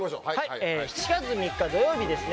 ７月３日土曜日ですね